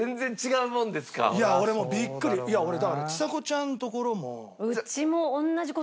いや俺だからちさ子ちゃんのところも。